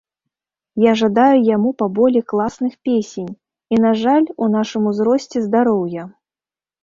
Я жадаю яму паболей класных песень, і на жаль, у нашым узросце, здароўя.